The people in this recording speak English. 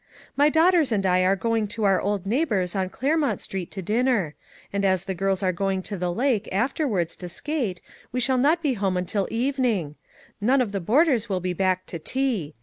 My daughters and I are going to our old neighbor's on Claremont street to dinner; and, as the girls are going to the lake, after wards, to skate, we shall not be at home until evening. None of the boarders will be back to tea.